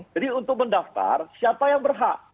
jadi untuk mendaftar siapa yang berhak